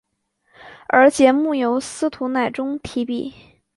而节目由司徒乃钟题笔。